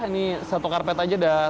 ini satu karpet aja udah